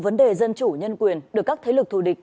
vấn đề dân chủ nhân quyền được các thế lực thù địch